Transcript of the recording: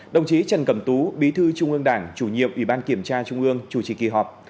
đồng chí trần cẩm tú bí thư trung ương đảng chủ nhiệm ủy ban kiểm tra trung ương chủ trì kỳ họp